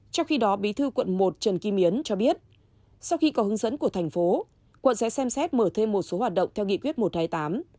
trong khi đó bí thư quận một trần kim yến cho biết sau khi có hướng dẫn của thành phố quận sẽ xem xét mở thêm một số hoạt động theo nghị quyết một trăm hai mươi tám